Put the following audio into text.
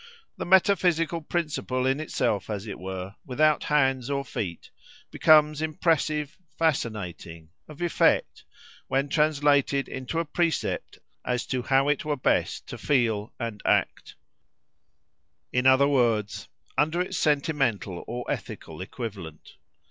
The metaphysical principle, in itself, as it were, without hands or feet, becomes impressive, fascinating, of effect, when translated into a precept as to how it were best to feel and act; in other words, under its sentimental or ethical equivalent.